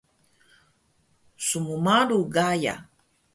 Smmalu Gaya